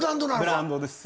ブランドです。